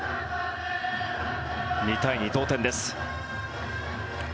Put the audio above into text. ２対２、同点です。